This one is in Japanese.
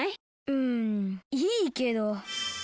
うんいいけど。